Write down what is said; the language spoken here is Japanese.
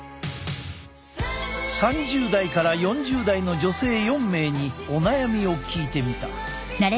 ３０代から４０代の女性４名にお悩みを聞いてみた。